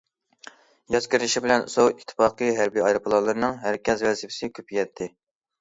ياز كىرىشى بىلەن سوۋېت ئىتتىپاقى ھەربىي ئايروپىلانلىرىنىڭ ھەرىكەت ۋەزىپىسى كۆپىيەتتى.